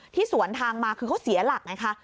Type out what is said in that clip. สวนทางมาคือเขาเสียหลักไงคะ